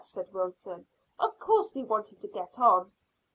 said Wilton. "Of course we wanted to get on."